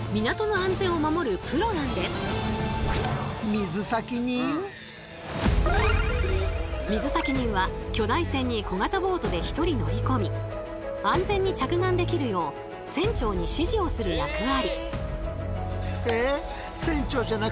水先人と呼ばれる水先人は巨大船に小型ボートで一人乗りこみ安全に着岸できるよう船長に指示をする役割。